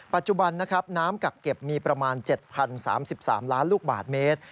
ปัจจุบันนะครับน้ำกักเก็บมีประมาณ๗๐๓๓ล้านลูกบาทเมตร